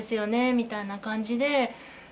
みたいな感じで。